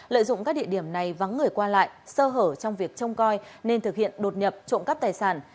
lợi dụng các địa điểm này vắng người qua lại sơ hở trong việc trông coi nên thực hiện đột nhập trộm cắp tài sản